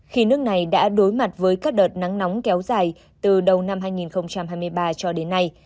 khi nước này đã đối mặt với các đợt nắng nóng kéo dài từ đầu năm hai nghìn hai mươi ba cho đến nay